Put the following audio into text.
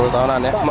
sepuluh tahunan ya